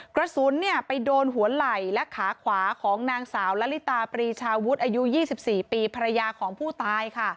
กระสุนไปโดนหัวไหล่และขาขวาของนางสาวละลิตาปรีชาวุฒิอายุ๒๔ปีภรรยาของผู้ตายค่ะ